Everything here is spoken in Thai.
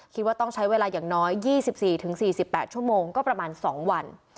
คิดว่าต้องใช้เวลาอย่างน้อย๒๔๔๘ชั่วโมงก็ประมาณ๒วัน